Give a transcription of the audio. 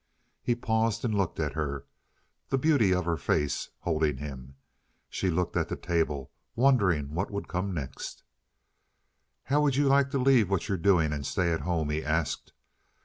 He paused and looked at her, the beauty of her face holding him. She looked at the table, wondering what would come next. "How would you like to leave what you're doing and stay at home?" he asked.